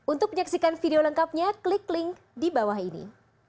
untuk menyaksikan video lengkapnya klik link di bawah ini